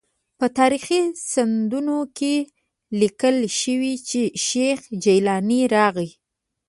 په تاریخي سندونو کې لیکل شوي چې شیخ جیلاني راغی.